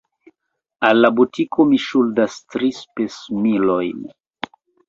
Al la butiko mi ŝuldas tri spesmilojn.